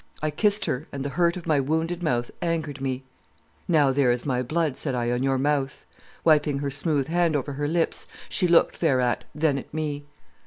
I kissed her, and the hurt of my wounded mouth angered me. "'Now there is my blood,' said I, 'on your mouth.' Wiping her smooth hand over her lips, she looked thereat, then at me.